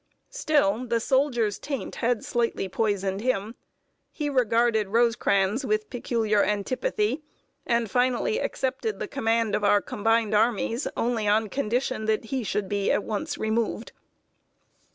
Still, the soldier's taint had slightly poisoned him. He regarded Rosecrans with peculiar antipathy, and finally accepted the command of our combined armies only on condition that he should be at once removed.